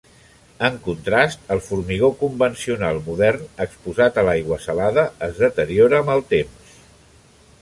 En contrast, el formigó convencional modern exposat a l'aigua salada es deteriora amb el temps.